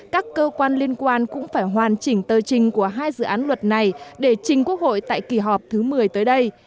các cơ quan liên quan cũng phải hoàn chỉnh tờ trình của hai dự án luật này để trình quốc hội tại kỳ họp thứ một mươi tới đây